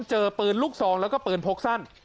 เจอปืนลูกซองแล้วก็ปืนพกสั้น